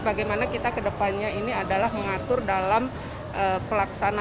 bagaimana kita kedepannya ini adalah mengatur dalam pelaksanaan